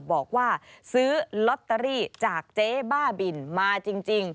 บอกว่าซื้อลอตเตอรี่จากเจ๊บ้าบินมาจริง